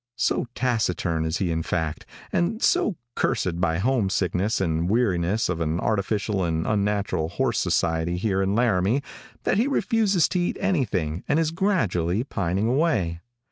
So taciturn is he in fact, and so cursed by homesickness and weariness of an artificial and unnatural horse society here in Laramie, that he refuses to eat anything and is gradually pining away.